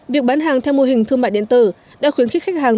việc bán hàng theo mô hình thương mại điện tử đã khuyến khích khách hàng